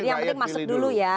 jadi yang penting masuk dulu ya